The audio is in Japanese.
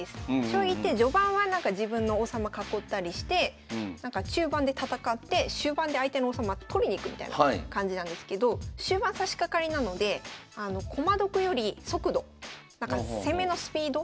将棋って序盤は自分の王様囲ったりして中盤で戦って終盤で相手の王様取りに行くみたいな感じなんですけど終盤さしかかりなので駒得より速度攻めのスピード？